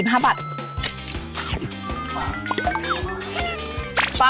กะเพราทอดไว้